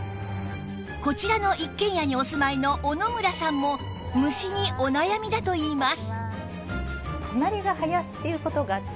こちらの一軒家にお住まいの小野村さんも虫にお悩みだといいます